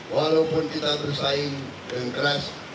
walaupun kita bersaing dengan keras